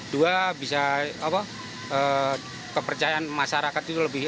dua bisa kepercayaan masyarakat itu lebih